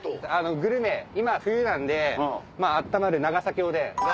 グルメ今冬なんで温まる長崎おでん。